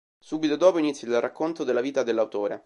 Subito dopo inizia il racconto della vita dell'autore.